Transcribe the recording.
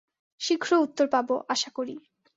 শীঘ্র উত্তর পাব, আশা করি।